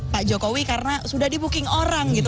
pak jokowi karena sudah di booking orang gitu